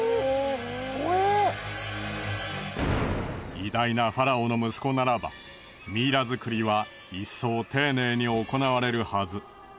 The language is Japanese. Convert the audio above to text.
偉大なファラオの息子ならばミイラ作りはいっそう丁寧に行われるはず。